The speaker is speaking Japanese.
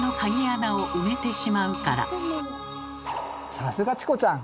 さすがチコちゃん。